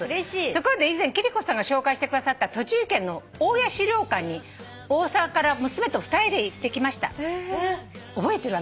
「ところで以前貴理子さんが紹介してくださった栃木県の大谷資料館に大阪から娘と２人で行ってきました」覚えてる？